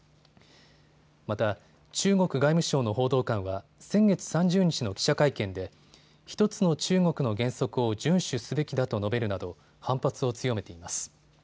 また中国外務省の報道官は先月３０日の記者会見で１つの中国の原則を順守すべきだと述べるなど反発を強めています。